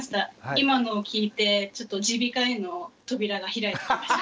今のを聞いてちょっと耳鼻科への扉が開いてきました。